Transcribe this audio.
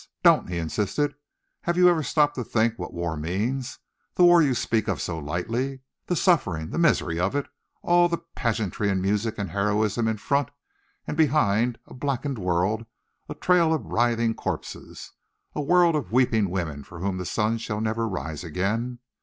"Don't!" he insisted. "Have you ever stopped to think what war means the war you speak of so lightly? The suffering, the misery of it! All the pageantry and music and heroism in front; and behind, a blackened world, a trail of writhing corpses, a world of weeping women for whom the sun shall never rise again.